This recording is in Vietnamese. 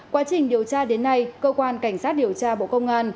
quá trình điều tra đến nay cơ quan cảnh sát điều tra bộ công an